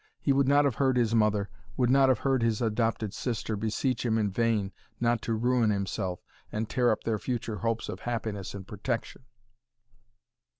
He would not have heard his mother, would not have heard his adopted sister, beseech him in vain not to ruin himself, and tear up their future hopes of happiness and protection."